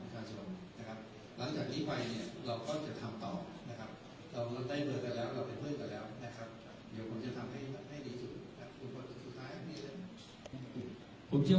เราพยายามและทำเต็มที่ให้ความวิถังของประชาชน